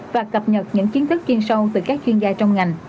và cập nhật những kiến thức chuyên sâu từ các chuyên gia trong ngành